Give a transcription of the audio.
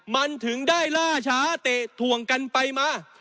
มันถึงได้ล่าช้าเตะถ่วงกันไปมา